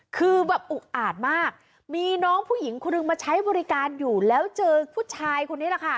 คือแบบอุกอาดมากมีน้องผู้หญิงคนหนึ่งมาใช้บริการอยู่แล้วเจอผู้ชายคนนี้แหละค่ะ